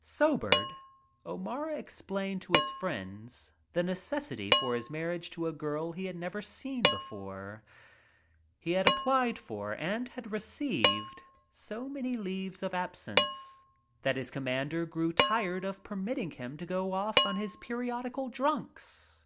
Sobered, O'Mara explained to his friends the necessity for his tnarriage to a girl he had never seen before. He had applied for and had reecived so many leaves of absence that his commander grew tired of . 66 WHISKEY FUMES *» permitting him to go off on his periodical drunks.